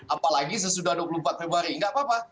apalagi sesudah dua puluh empat februari enggak apa apa